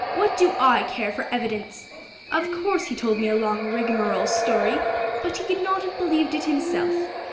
"What do I care for evidence? Of course he told me a long rigmarole story, but he could not have believed it himself.